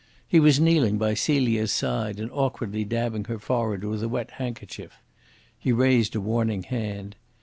He was kneeling by Celia's side and awkwardly dabbing her forehead with a wet handkerchief. He raised a warning hand.